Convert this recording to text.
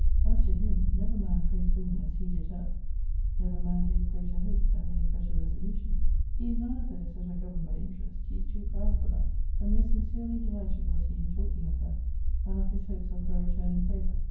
As to him, never man praised woman as he did her: Never man gave greater hopes, and made better resolutions. He is none of those that are governed by interest. He is too proud for that. But most sincerely delighted was he in talking of her; and of his hopes of her returning favour.